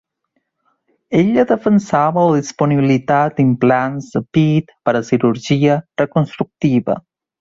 Ella defensava la disponibilitat d'implants de pit per a cirurgia reconstructiva.